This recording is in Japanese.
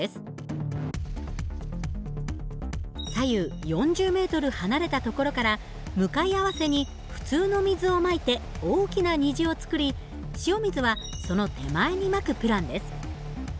左右４０ｍ離れた所から向かい合わせに普通の水をまいて大きな虹を作り塩水はその手前にまくプランです。